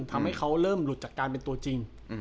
ทำให้เขาเริ่มหลุดจากการเป็นตัวจริง